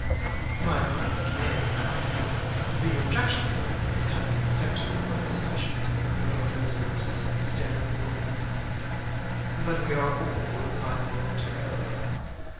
My conduct may, I fear, be objectionable in having accepted my dismission from your daughter's lips instead of your own; but we are all liable to error.